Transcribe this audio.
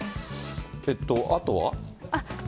あとは？